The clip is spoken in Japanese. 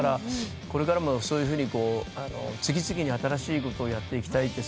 これからもそういうふうに次々に新しいことをやっていきたいと。